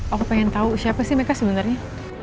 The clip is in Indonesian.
aku pengen tahu siapa sih mereka sebenarnya